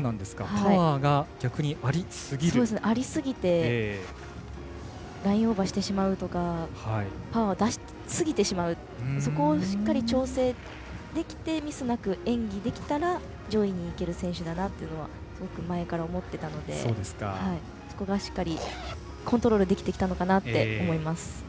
パワーがありすぎてラインオーバーしてしまうとかパワーを出しすぎてしまうのでそこをしっかり調整してミスなく演技できたら上位にいける選手だなというのは前から思っていたのでそこがしっかりコントロールできてきたのかなと思います。